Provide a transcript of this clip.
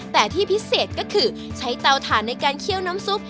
แต่ที่พิเศษก็คือใช้เตาถ่านในการเคี่ยวน้ำซุป